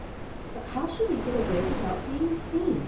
"But how shall we get away without being seen?"